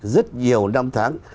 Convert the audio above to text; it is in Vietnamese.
rất nhiều năm tháng